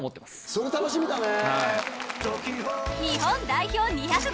それ楽しみだね。